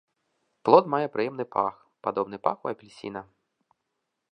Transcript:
Плод мае прыемны пах, падобны паху апельсіна.